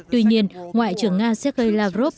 tuy nhiên ngoại trưởng nga sergei lavrov